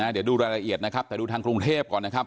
เดี๋ยวดูรายละเอียดนะครับแต่ดูทางกรุงเทพก่อนนะครับ